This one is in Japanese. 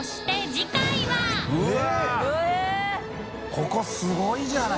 ここすごいじゃない！